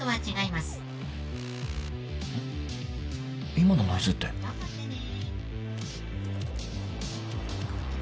今のノイズって「頑張ってね」